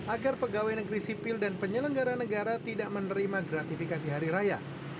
agar pegawai negeri sipil dan penyelenggara negara tidak menerima gratifikasi hari raya